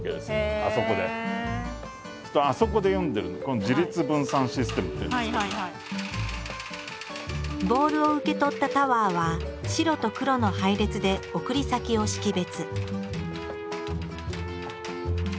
あそこで読んでるボールを受け取ったタワーは白と黒の配列で送り先を識別。